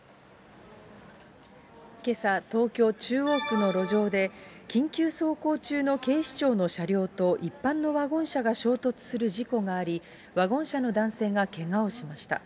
けさ、東京・中央区の路上で、緊急走行中の警視庁の車両と一般のワゴン車が衝突する事故があり、ワゴン車の男性がけがをしました。